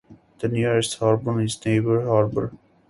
The nearest harbor is Rainbow Harbor.